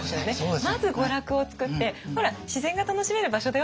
まず娯楽を作って「ほら自然が楽しめる場所だよ」